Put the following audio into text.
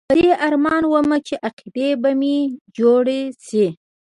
په دې ارمان وم چې عقیده به مې جوړه شي.